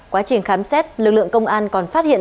quá trình khám xét lực lượng công an còn phát hiện